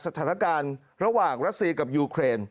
สถานการณ์ระหว่างรัสเซียกับยูเครน